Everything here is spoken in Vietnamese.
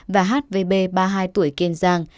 và hvb ba mươi hai tuổi kiên giang